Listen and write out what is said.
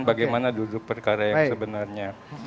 bagaimana duduk perkara yang sebenarnya